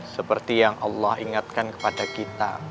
seperti yang allah ingatkan kepada kita